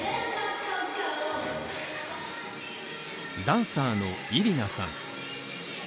ダンサーのイリナさん。